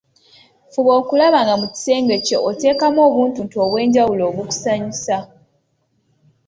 Fuba okulaba nga mu kisenge kyo oteekamu obuntuntu obwenjawulo obukusanyusa.